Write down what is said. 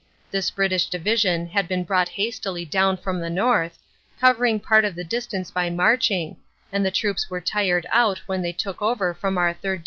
This British Division had been brought hastily down from the north, covering part of the distance by marching, and the troops were tired out when they took over from our 3rd.